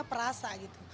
dia perasa gitu